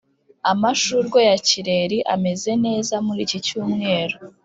amashurwe ya kireri ameze neza muri iki cyumweru.